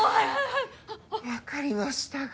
分かりましたか。